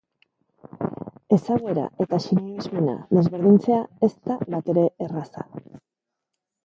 Ezaguera eta sinesmena desberdintzea ez da batere erraza.